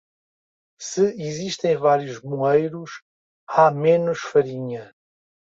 Se existem vários moleiros, há menos farinha.